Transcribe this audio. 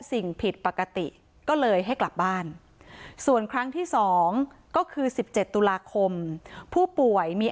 สิ่งผิดปกติก็เลยให้กลับบ้านส่วนครั้งที่๒ก็คือ๑๗ตุลาคมผู้ป่วยมี